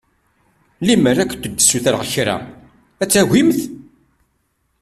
Lemmer ad kent-ssutreɣ kra ad tagimt?